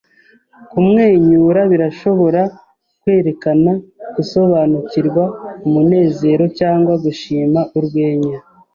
Kumwenyura birashobora kwerekana gusobanukirwa, umunezero, cyangwa gushima urwenya.